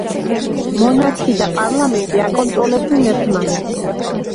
მონარქი და პარლამენტი აკონტროლებენ ერთმანეთს.